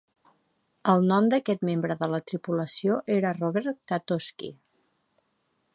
El nom d'aquest membre de la tripulació era Robert Tatosky.